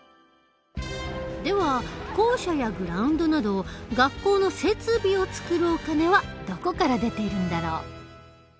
では校舎やグラウンドなど学校の設備を作るお金はどこから出ているんだろう？